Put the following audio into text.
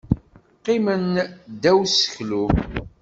Qqimen ddaw useklu.